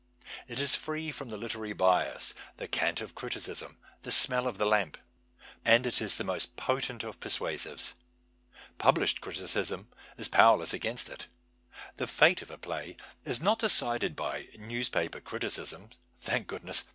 It is free from the literary bias, the cant of criticism, the smell of the lamp. And it is the most potent of persuasives. Published criticism is powerless against it. The fate of a play is not decided by newspaper criticisms (thank goodness !